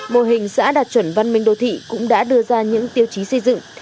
mô hình xã đạt chuẩn văn minh đô thị cũng đã đưa ra những tiêu chí xây dựng